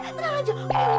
tenang aja oh my god